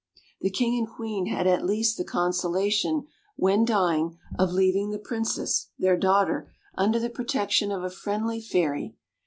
The King and Queen had at least the consolation, when dying, of leaving the Princess, their daughter, under the protection of a friendly fairy.